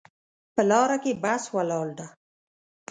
په لاره کې بس ولاړ ده